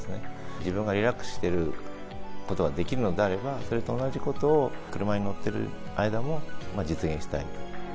自分がリラックスしてることはできるのであれば、それと同じことを、車に乗ってる間も実現したい。